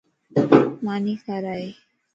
ماني کارائي